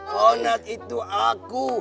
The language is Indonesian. kona itu aku